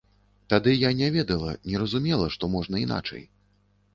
Тады я не ведала, не разумела, што можна іначай.